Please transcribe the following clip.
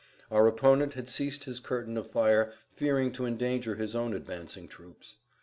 Our opponent had ceased his curtain of fire fearing to endanger his own advancing troops.